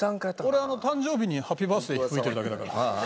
俺誕生日に『ハッピーバースデー』吹いてるだけだから。